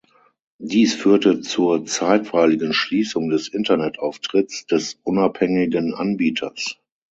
Dies führte zur zeitweiligen Schließung des Internetauftritts des unabhängigen Anbieters.